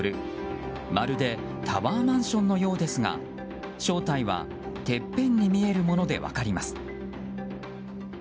まるでタワーマンションのようですが正体はてっぺんに見えるもので分かります。